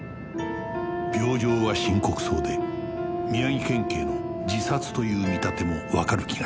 病状は深刻そうで宮城県警の自殺という見立てもわかる気がした